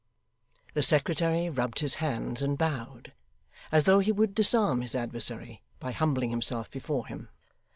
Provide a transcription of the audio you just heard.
The secretary rubbed his hands and bowed, as though he would disarm his adversary by humbling himself before him.